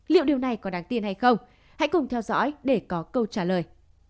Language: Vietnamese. liệu điều này có đáng tin hay không hãy cùng theo dõi để có câu trả lời